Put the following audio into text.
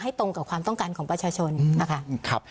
ตรงกับความต้องการของประชาชนนะคะ